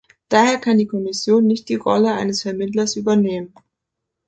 Daher kann die Kommission nicht die Rolle eines Vermittlers übernehmen.